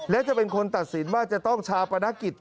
และจะเป็นคนตัดสินว่าจะต้องชาปนกิจ